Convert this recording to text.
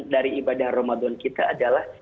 dari ibadah ramadan kita adalah